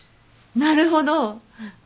なるほど。